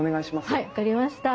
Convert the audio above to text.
はい分かりました。